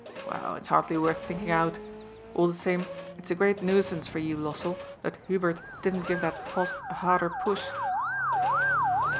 Well, it's hardly worth thinking out. All the same, it's a great nuisance for you, Lossell, that Hubert didn't give that pot a harder push.'